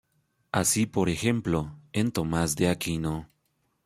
Así por ejemplo en Tomás de Aquino.